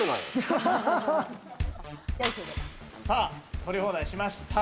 取り放題しました。